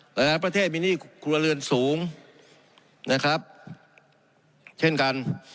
เพราะฉะนั้นประเทศมีหนี้ครัวเรือนสูงนะครับเช่นกัน